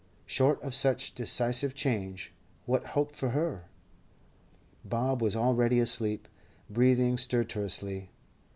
Short of such decisive change, what hope for her? Bob was already asleep, breathing stertorously.